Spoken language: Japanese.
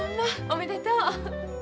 おめでとう。